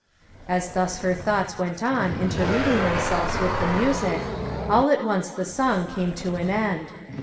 As thus her thoughts went on interweaving themselves with the music, all at once the song came to an end.